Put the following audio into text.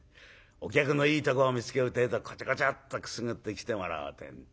お客のいいところを見つけるてえとコチョコチョッとくすぐって来てもらおうてんで。